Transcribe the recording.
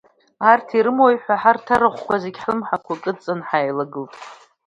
Арҭ ирымои ҳәа, ҳарҭ арахәқәа зегьы ҳлымҳақәа кыдҵан ҳааилагылт.